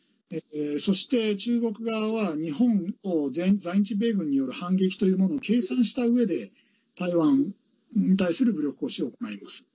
そして中国側は、日本の在日米軍による反撃というものを計算したうえで台湾に対する武力行使を行います。